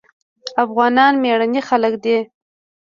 افغانان مېړني خلک دي.